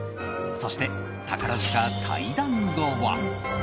そして、宝塚退団後は。